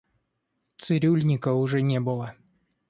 Цирюльника уже не было.